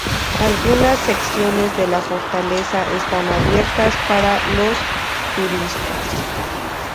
Algunas secciones de la fortaleza están abiertas para los turistas.